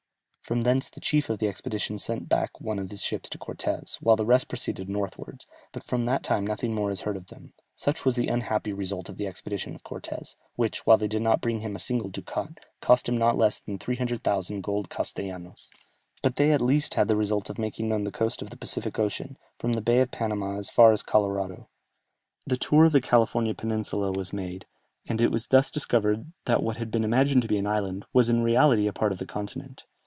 From thence the chief of the expedition sent back one of his ships to Cortès, while the rest proceeded northwards, but from that time nothing more is heard of them. Such was the unhappy result of the expeditions of Cortès, which, while they did not bring him in a single ducat, cost him not less than 300,000 gold castellanos. But they at least had the result of making known the coast of the Pacific Ocean, from the Bay of Panama as far as Colorado. The tour of the Californian Peninsula was made, and it was thus discovered that what had been imagined to be an island, was in reality a part of the continent.